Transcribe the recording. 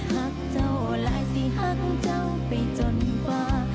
หักเจ้าหลายสิหักเจ้าไปจนกว่า